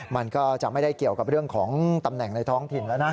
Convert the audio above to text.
มันก็จะไม่ได้เกี่ยวกับเรื่องของตำแหน่งในท้องถิ่นแล้วนะ